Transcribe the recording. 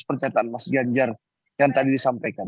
pernyataan mas ganjar yang tadi disampaikan